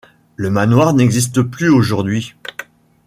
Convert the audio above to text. Le manoir n'existe plus aujourd'hui.